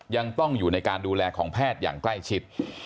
ยังต้องอยู่ในการดูแลของแพทย์อย่างใกล้ชิด